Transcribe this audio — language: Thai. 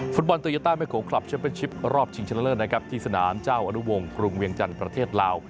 ฟุตบอลตุยัตเตอร์และแม่โขคลับเชิมเปนชิปรอบชิงชันเลอร์ที่สนามเจ้าอนุวงศ์กรุงเวียงจันทร์ประเทศลาว